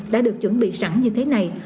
đã được chuẩn bị sẵn như thế này